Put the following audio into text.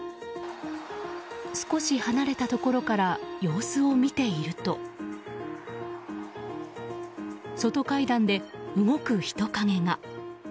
少し離れたところから様子を見ていると外階段で動く人影が。